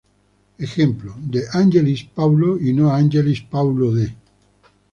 Ejemplo: De Angelis, Paulo; y no Angelis, Paulo de.